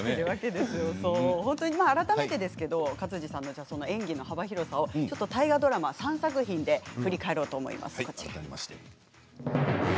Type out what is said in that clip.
改めて勝地さんの演技の幅広さを大河ドラマ３作品で振り返ります。